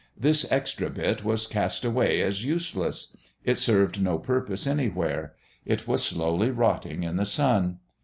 This extra bit was cast away as useless; it served no purpose anywhere; it was slowly rotting in the sun.